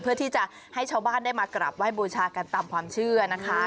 เพื่อที่จะให้ชาวบ้านได้มากราบไห้บูชากันตามความเชื่อนะคะ